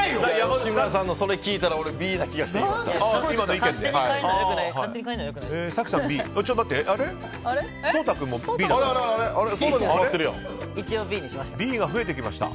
吉村さんのそれ聞いたらＢな気がしてきました。